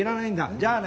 じゃあね。